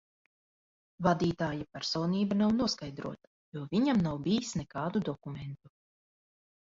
Vadītāja personība nav noskaidrota, jo viņam nav bijis nekādu dokumentu.